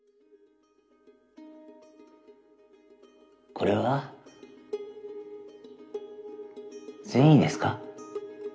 これは善意ですか？